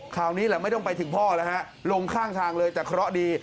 คราวนี้แหละไม่ต้องไปถึงพ่อแล้วฮะลงข้างทางเลยแต่เคราะห์ดี